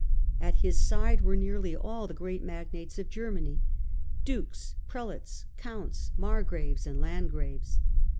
At his side were nearly all the great magnates of Germany Dukes, Prelates, Counts, Margraves and Landgraves.